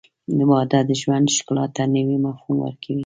• واده د ژوند ښکلا ته نوی مفهوم ورکوي.